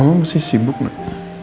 mama masih sibuk nak